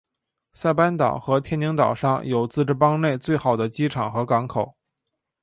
塞班岛和天宁岛上有自治邦内最好的机场和港口。